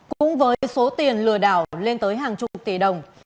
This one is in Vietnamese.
cũng với số tiền lừa đảo lên tới hàng chục tỷ đồng